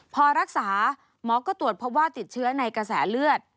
พอรักษาหมอก็ตรวจพบว่าติดเชื้อในกระแสเลือด